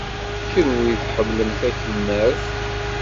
Kenwi ur tḥemmlem takemmart.